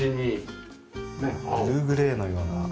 ブルーグレーのような。